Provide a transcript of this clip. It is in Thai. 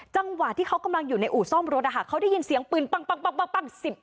จังหวะที่เขากำลังอยู่ในอู่ซ่อมรถเขาได้ยินเสียงปืนปั้ง